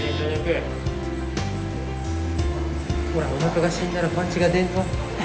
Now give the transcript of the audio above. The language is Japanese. ほらおなかが死んだらパンチが出んぞ。